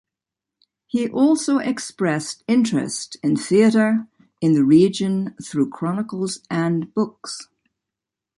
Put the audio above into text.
He also expressed interest in theatre in the region through chronicles and books.